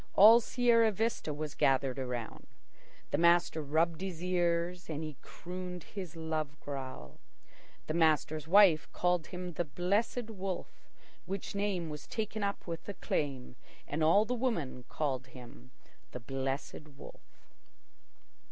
All Sierra Vista was gathered around. The master rubbed his ears, and he crooned his love growl. The master's wife called him the "Blessed Wolf," which name was taken up with acclaim and all the women called him the Blessed Wolf.